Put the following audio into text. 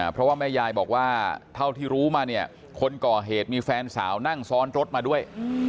เพราะว่าแม่ยายบอกว่าเท่าที่รู้มาเนี่ยคนก่อเหตุมีแฟนสาวนั่งซ้อนรถมาด้วย